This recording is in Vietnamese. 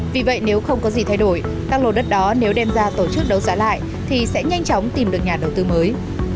vì vậy nếu không có gì thay đổi các lô đất đó nếu đem ra tổ chức đấu giá lại thì sẽ nhanh chóng tìm được nhà đầu tư mới